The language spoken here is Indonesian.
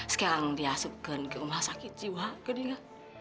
sekarang diasukkan ke rumah sakit jiwa